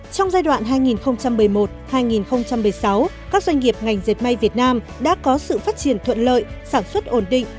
trong giai đoạn hai nghìn một mươi một hai nghìn một mươi sáu các doanh nghiệp ngành dệt may việt nam đã có sự phát triển thuận lợi sản xuất ổn định